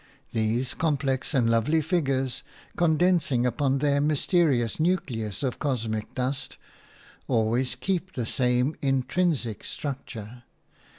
These complex and lovely figures, condensing upon their mysterious nucleus of cosmic dust, always keep the same intrinsic structure.